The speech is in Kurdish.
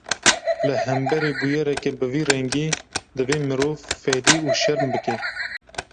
Li hemberî bûyereke bi vî rengî, divê mirov fedî û şerm bike